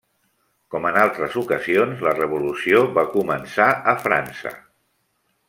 Com en altres ocasions, la revolució va començar a França.